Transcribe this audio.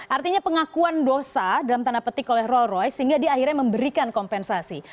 artinya pengakuan dosa dalam tanah petik oleh roy roy sehingga dia akhirnya memberikan kompensasi